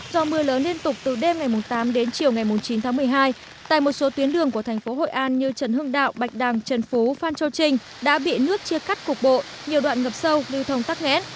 do mưa lớn liên tục từ đêm ngày tám đến chiều ngày chín tháng một mươi hai tại một số tuyến đường của thành phố hội an như trần hưng đạo bạch đằng trần phú phan châu trinh đã bị nước chia cắt cục bộ nhiều đoạn ngập sâu lưu thông tắc nghẽn